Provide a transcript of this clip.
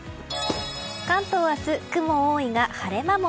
関東明日雲が多いが晴れ間も。